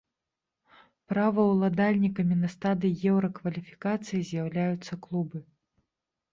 Праваўладальнікамі на стадыі еўракваліфікацыі з'яўляюцца клубы.